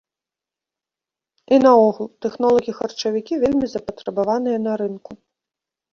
І наогул, тэхнолагі-харчавікі вельмі запатрабаваныя на рынку.